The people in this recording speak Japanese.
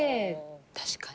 確かに。